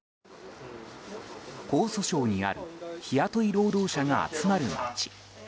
江蘇省にある日雇い労働者が集まる街。